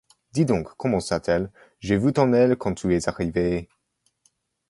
Dis donc, commença-t-elle, j’ai vu ton œil, quand tu es arrivé...